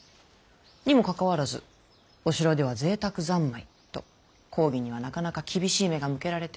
にもかかわらずお城では贅沢三昧と公儀にはなかなか厳しい目が向けられておる。